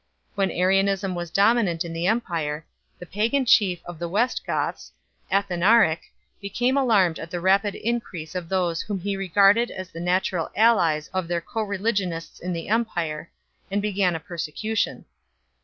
When Arianism was dominant in the empire, the pagan chief of the West Goths, Athanaric, became alarmed at the rapid increase of those whom he regarded as the natural allies of their coreligionists in the empire, and began a persecution.